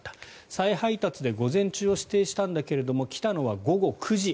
再配達で午前中を指定したんだけれども来たのは午後９時。